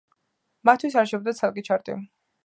მათთვის არსებობდა ცალკე ჩარტი.